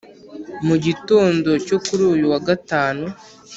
mu gitondo cyo kuri uyu wa gatanu